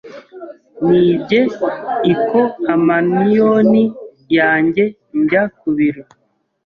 Nibye ikoamanioni yanjye njya ku biro.